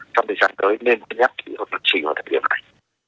trong thời gian tới nên nhắc về việc trình và thực hiện này